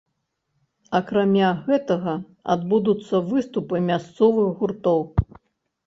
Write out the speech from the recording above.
Акрамя гэтага адбудуцца выступы мясцовых гуртоў.